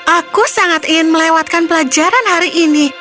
aku sangat ingin melewatkan pelajaran hari ini